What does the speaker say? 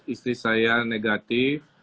istri saya negatif